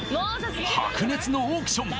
白熱のオークション